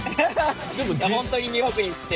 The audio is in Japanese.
本当にニューヨークに行って。